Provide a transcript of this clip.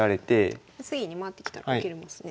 次に回ってきたら受けるんですね。